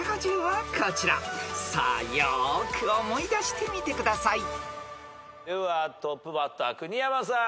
［さあよーく思い出してみてください］ではトップバッター国山さん。